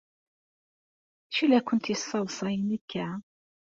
D acu ay la kent-yesseḍsayen akka?